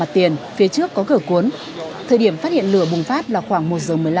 xin chào và hẹn gặp lại